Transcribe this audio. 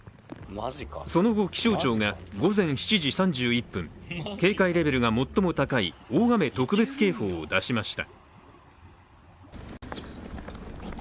その後、気象庁が午前７時３１分警戒レベルが最も高い大雨特別警報を出しました。